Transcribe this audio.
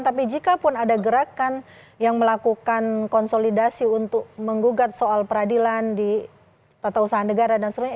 tapi jikapun ada gerakan yang melakukan konsolidasi untuk menggugat soal peradilan di tata usaha negara dan sebagainya